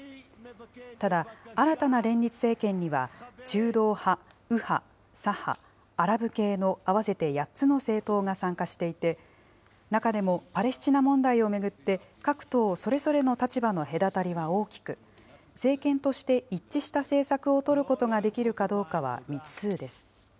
ただ、新たな連立政権には、中道派、右派、左派、アラブ系の合わせて８つの政党が参加していて、中でもパレスチナ問題を巡って、各党それぞれの立場の隔たりは大きく、政権として一致した政策を取ることができるかどうかは未知数です。